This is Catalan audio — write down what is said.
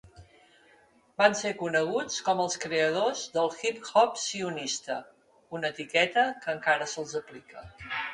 Van ser coneguts com els creadors del "Hip-hop sionista", una etiqueta que encara se'ls aplica.